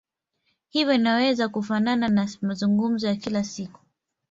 Hivyo inaweza kufanana na mazungumzo ya kila siku.